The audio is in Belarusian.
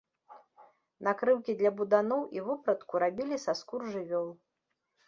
Накрыўкі для буданоў і вопратку рабілі са скур жывёл.